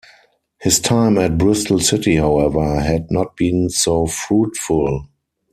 His time at Bristol City, however, had not been so fruitful.